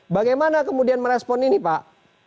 bagaimana kemudian merespon ini pak